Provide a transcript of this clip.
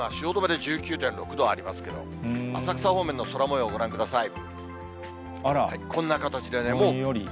今、汐留で１９．６度ありますけど、浅草方面の空もよう、ご覧ください。